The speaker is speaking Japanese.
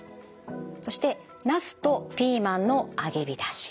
そしてナスとピーマンの揚げびたし。